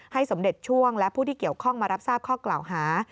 สมเด็จช่วงและผู้ที่เกี่ยวข้องมารับทราบข้อกล่าวหา